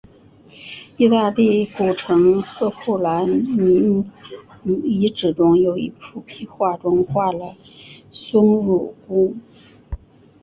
意大利古城赫库兰尼姆遗址中有一幅壁画中画了松乳菇。